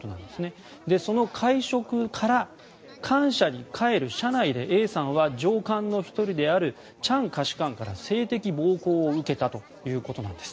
その会食から官舎に帰る車内でＡさんは上官の１人であるチャン下士官から性的暴行を受けたということです。